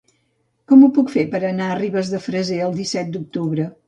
Com ho puc fer per anar a Ribes de Freser el disset d'octubre?